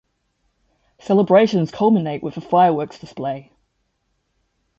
Celebrations culminate with a fireworks display.